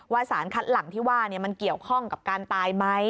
สารคัดหลังที่ว่ามันเกี่ยวข้องกับการตายไหม